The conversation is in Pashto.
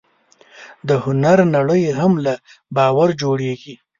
د هنر نړۍ هم له باور جوړېږي.